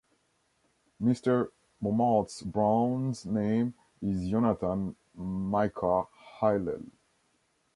Mr. Mommaerts-Brown's name is Yonathan Micah Hillel.